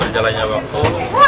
tapi berjalannya waktu